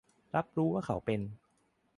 รับรู้ว่าเขาเป็น